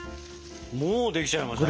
もうできちゃいましたね。